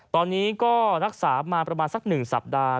ตอนนี้ก็นักศึกษามาประมาณสักหนึ่งสัปดาห์